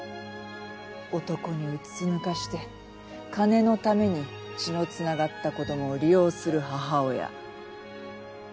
男にうつつ抜かして金のために血のつながった子供を利用する母親。